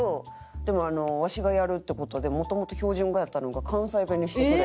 でもわしがやるって事でもともと標準語やったのが関西弁にしてくれて。